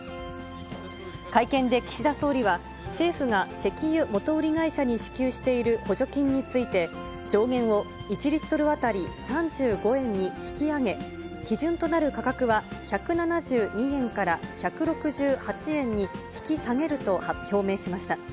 会見で岸田総理は、政府が石油元売り会社に支給している補助金について、上限を１リットル当たり３５円に引き上げ、基準となる価格は１７２円から１６８円に引き下げると表明しました。